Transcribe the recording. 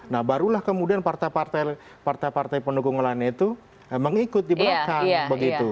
nah barulah kemudian partai partai pendukung lainnya itu mengikut di belakang begitu